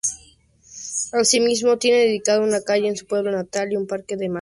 Asimismo tiene dedicada una calle en su pueblo natal y un parque en Madrid.